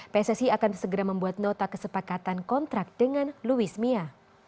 pssi akan segera membuat nota kesepakatan kontrak dengan luismia